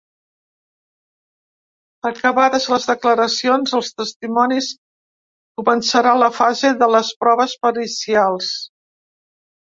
Acabades les declaracions dels testimonis, començarà la fase de les proves pericials.